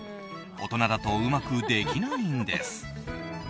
大人だとうまくできないんです。